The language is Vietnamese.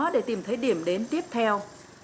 để tìm thấy điểm đến tiếp theo